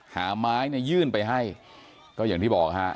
หาไม้เนี่ยยื่นไปให้ก็อย่างที่บอกฮะ